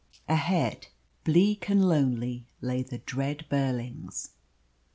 Ahead, bleak and lonely, lay the dread Burlings.